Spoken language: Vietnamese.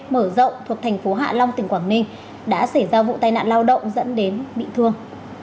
mở rộng thuộc thành phố hạ long tỉnh quảng ninh đã xảy ra vụ tai nạn lao động dẫn đến bị thương